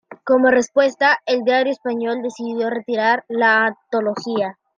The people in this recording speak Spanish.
Como respuesta, el diario español decidió retirar la antología.